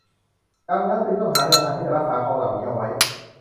ดังนั้นจึงต้องหาแนวทางที่จะรักษาคลองเหล่านี้เอาไว้